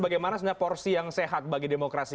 bagaimana sebenarnya porsi yang sehat bagi demokrasi